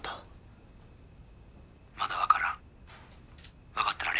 ☎まだ分からん。